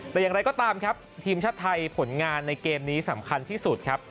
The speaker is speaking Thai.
แต่อย่างไรก็ตามครับทีมชาติไทยผลงานในเกมนี้สำคัญที่สุดครับ